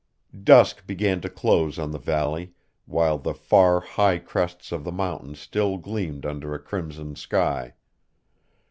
Dusk began to close on the valley while the far, high crests of the mountains still gleamed under a crimson sky.